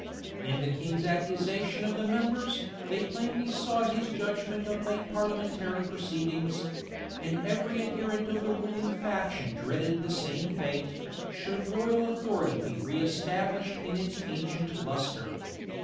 In the king's accusation of the members, they plainly saw his judgment of late parliamentary proceedings; and every adherent of the ruling faction dreaded the same fate, should royal authority be reëstablished in its ancient lustre.